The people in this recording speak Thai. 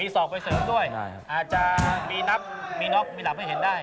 ศอกไปเสริมด้วยอาจจะมีนับมีน็อกมีหลับให้เห็นได้